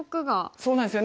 そうなんですよね。